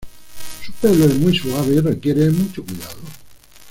Su pelo es muy suave y requiere mucho cuidado.